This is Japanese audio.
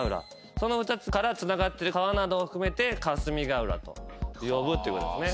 その２つからつながってる川などを含めて霞ヶ浦と呼ぶということですね。